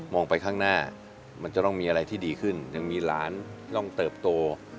ไปข้างหน้ามันจะต้องมีอะไรที่ดีขึ้นยังมีหลานต้องเติบโต